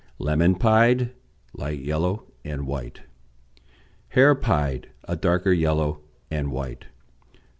Lemon pied, light yellow and white. Hare pied, a darker yellow and white.